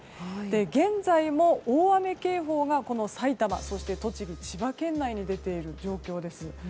現在も大雨警報が埼玉、そして栃木、千葉県内に出ている状況です。